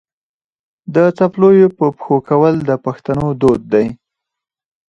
د څپلیو په پښو کول د پښتنو دود دی.